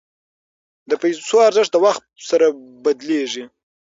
د پیسو ارزښت د وخت سره بدلیږي.